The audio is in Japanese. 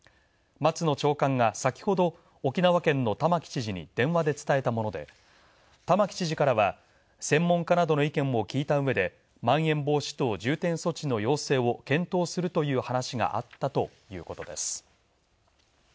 松野長官が先ほど沖縄県の玉城知事に電話で伝えたもので、玉城知事からは専門家などの意見を聞いたうえでまん延防止等重点措置の要請を検討するという話があったということです。